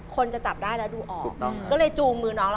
กับตัวเผ็ด